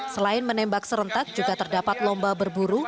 selain menembak serentak juga terdapat lomba berburu